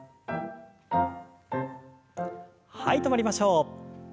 はい止まりましょう。